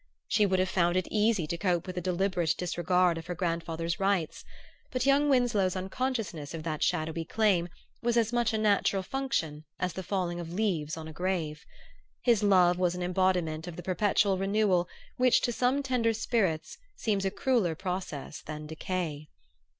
She would have found it easy to cope with a deliberate disregard of her grandfather's rights; but young Winsloe's unconsciousness of that shadowy claim was as much a natural function as the falling of leaves on a grave. His love was an embodiment of the perpetual renewal which to some tender spirits seems a crueller process than decay.